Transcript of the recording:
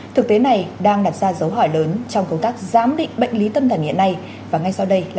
thực tế này đang đặt ra dấu hỏi lớn trong công tác giám định bệnh lý tâm thần hiện nay